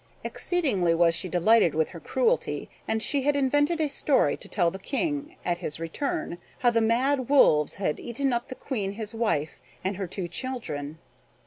Exceedingly was she delighted with her cruelty, and she had invented a story to tell the King, at his return, how the mad wolves had eaten up the Queen his wife and her two children.